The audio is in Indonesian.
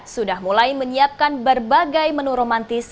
sudah mulai menyiapkan berbagai menu romantis